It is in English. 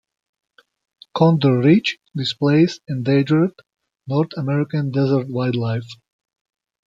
Condor Ridge displays endangered North American desert wildlife.